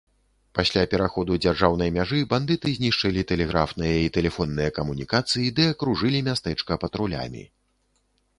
Пасля пераходу дзяржаўнай мяжы, бандыты знішчылі тэлеграфныя і тэлефонныя камунікацыі ды акружылі мястэчка патрулямі.